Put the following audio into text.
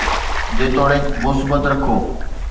جيتوڻيڪ مثبت رکو